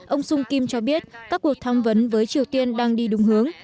ông sung kim cho biết các cuộc tham vấn với triều tiên đang đi đúng hướng